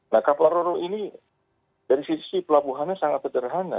nah kapal roro ini dari sisi pelabuhannya sangat sederhana